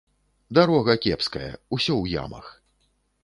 Дарога кепская, усё ў ямах.